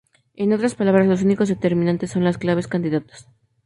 En otras palabras, los únicos determinantes son las claves candidatas.